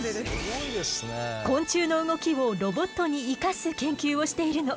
昆虫の動きをロボットに生かす研究をしているの。